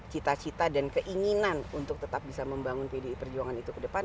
cita cita dan keinginan untuk tetap bisa membangun pdi perjuangan itu ke depan